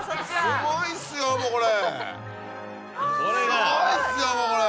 すごいっすよもうこれ。